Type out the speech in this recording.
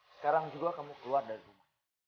sekarang juga kamu keluar dari rumah